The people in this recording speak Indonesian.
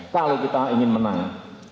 kalau kita ingin menang